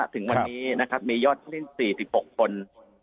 ถึงวันนี้มียอดที่๔๖คน